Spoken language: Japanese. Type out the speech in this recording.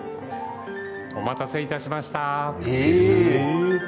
お待たせいたしました。